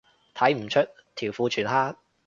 睇唔出，條褲全黑